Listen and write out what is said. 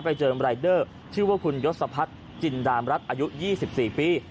ไปเจอรายเดอร์ชื่อว่าคุณยศพัฒน์จินดามรัฐอายุ๒๔ปี